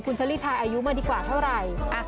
คุณเชอรี่ทายอายุมาดีกว่าเท่าไหร่